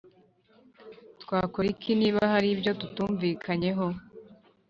Twakora iki niba hari ibyo tutumvikanyeho